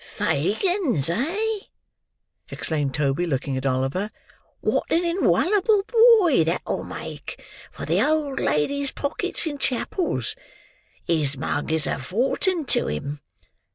"Fagin's, eh!" exclaimed Toby, looking at Oliver. "Wot an inwalable boy that'll make, for the old ladies' pockets in chapels! His mug is a fortin' to him."